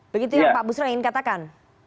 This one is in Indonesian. begitu yang pak busro ingin katakan